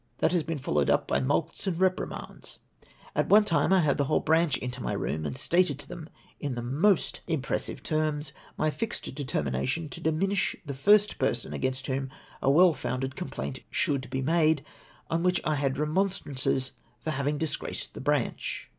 That has been followed up by mulcts and reprimands. At one time I had the whole branch into my room, and stated to them in the most impressive OFFICIAL ADMISSIONS. 315 terms, my fixed determination to dismiss the first person against whom a well fonnded complaint should be made ; on which I had remonstrayices for having disgraced the branch!